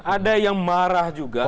ada yang marah juga